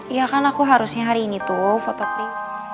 iya kan aku harusnya hari ini tuh foto klip